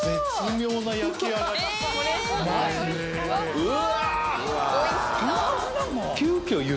うわ！